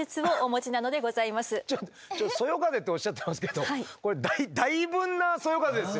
ちょっとそよ風っておっしゃってますけどこれだいぶんなそよ風ですよ。